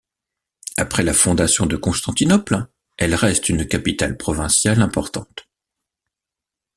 Après la fondation de Constantinople, elle reste une capitale provinciale importante.